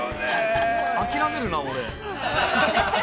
諦めるなぁ、俺。